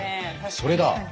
それだ。